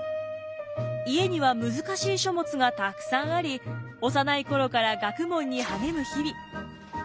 家には難しい書物がたくさんあり幼い頃から学問に励む日々。